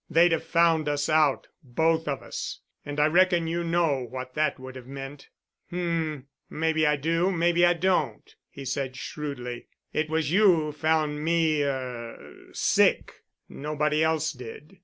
"They'd have found us out—both of us. And I reckon you know what that would have meant." "H—m. Maybe I do, maybe I don't," he said shrewdly. "It was you who found me—er—sick. Nobody else did."